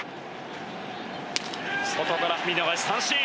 外から見逃し三振。